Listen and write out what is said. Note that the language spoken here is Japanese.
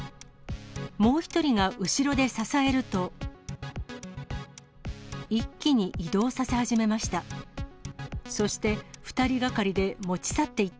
もう１人が後ろで支えると、一気に移動させ始めました。